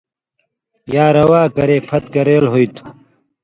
یا روا کرے پھت کریل ہُوئ تھُو۔